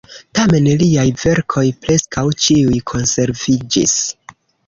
Tamen liaj verkoj preskaŭ ĉiuj konserviĝis.